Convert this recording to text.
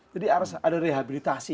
jadi harus ada rehabilitasi